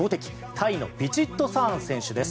タイのヴィチットサーン選手です。